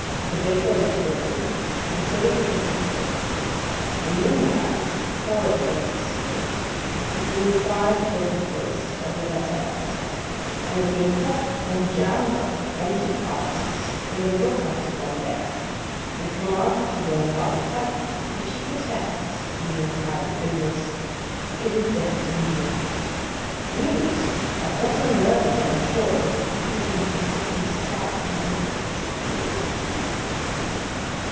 The baker is ill, and so is the pastry cook. A new man, horribly indisposed, has been required to fill the place of the latter officer; and has been propped and jammed up with empty casks in a little house upon deck, and commanded to roll out pie crust, which he protests (being highly bilious) it is death to him to look at. News! A dozen murders on shore would lack the interest of these slight incidents at sea.